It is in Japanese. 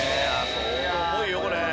相当重いよこれ。